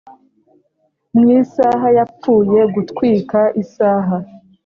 mu isaha yapfuye gutwika isaha